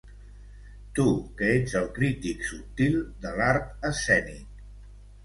Tu que ets el crític subtil de l'art escènic